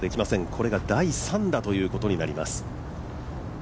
これが第３打ということになります